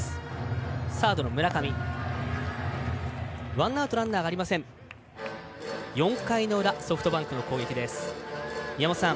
ワンアウトランナーがありません。